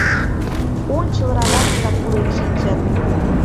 Ончыл радамышкак пурен шинчыт.